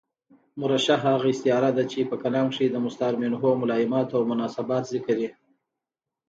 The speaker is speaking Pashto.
مرشحه هغه استعاره ده، چي په کلام کښي د مستعارمنه ملایمات اومناسبات ذکر يي.